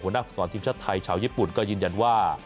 หัวหน้าภูมิสอนทีมชาติไทยชาวญี่ปุ่นก็ยืนยันว่า